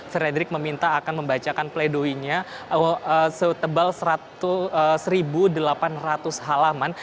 frederick meminta akan membacakan pledoinya setebal satu delapan ratus halaman